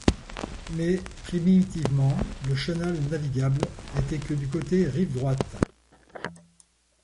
Mais primitivement le chenal navigable n'était que du côté rive droite.